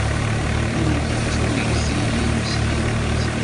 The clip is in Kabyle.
Kennemti d timegziyin s tidet!